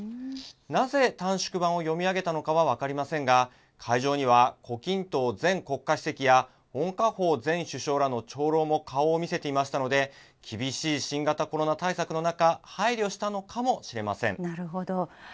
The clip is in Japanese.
なぜ短縮版を読み上げたのかは分かりませんが、会場には胡錦涛前国家主席や温家宝前首相らの長老も顔を見せていましたので、厳しい新型コロナ対策の中、配慮したのかもしれませなるほど。